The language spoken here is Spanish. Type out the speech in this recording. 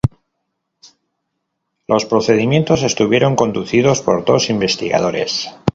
Los procedimientos estuvieron conducidos por dos investigadores.